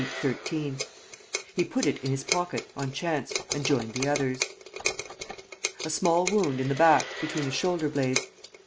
He put it in his pocket, on chance, and joined the others. ...A small wound in the back, between the shoulder blades.